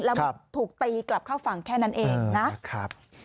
แล้วถูกตีกลับเข้าฝั่งแค่นั้นเองนะครับ